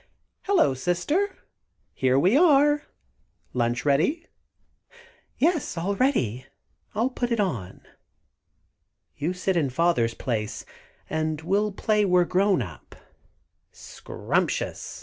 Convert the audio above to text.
"Hello, Sister! Here we are! Lunch ready?" [Illustration: "Hello, Sister."] "Yes, all ready. I'll put it on. You sit in Father's place, and we'll play we're grown up." "Scrumptious!"